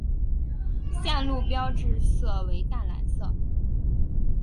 线路标志色为淡蓝色。